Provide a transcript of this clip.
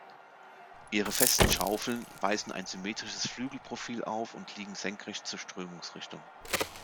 Ihre festen Schaufeln weisen ein symmetrisches Flügelprofil auf und liegen senkrecht zur Strömungsrichtung.